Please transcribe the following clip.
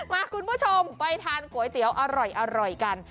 คุณผู้ชมไปทานก๋วยเตี๋ยวอร่อยกัน